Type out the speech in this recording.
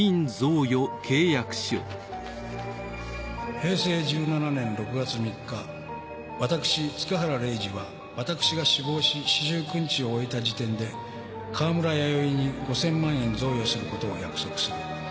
「平成十七年六月三日私塚原礼司は私が死亡し四十九日を終えた時点で川村弥生に五千万円贈与することを約束する。